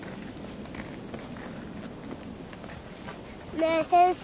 ねえ先生。